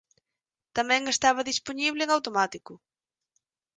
Tamén estaba dispoñible en automático.